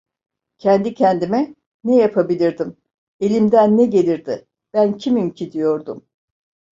Kendi kendime: "Ne yapabilirdim? Elimden ne gelirdi? Ben kimim ki?" diyordum.